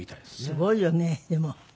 すごいよねでも。